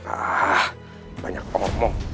ah banyak omong